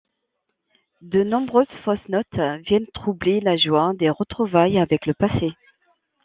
De nombreuses fausses notes viennent troubler la joie des retrouvailles avec le passé.